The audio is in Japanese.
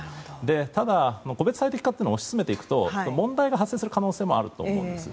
ただ、個別最適化というのを推し進めていくと問題が発生する可能性があると思うんです。